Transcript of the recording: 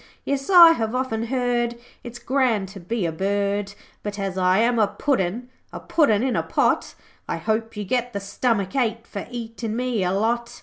Yes, I have often heard It's grand to be a bird. 'But as I am a puddin', A puddin' in a pot, I hope you get the stomach ache For eatin' me a lot.